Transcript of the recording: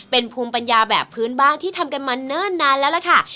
เป็นภูมิปัญญาแบบพื้นบ้านที่ทำกันมาเนิ่นนานแล้วล่ะค่ะ